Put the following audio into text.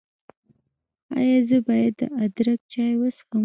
ایا زه باید د ادرک چای وڅښم؟